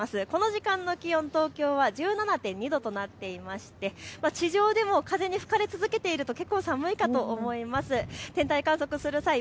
この時間の気温、東京は１７．２度となっていまして地上でも風に吹かれ続けていると結構、寒いかと思います。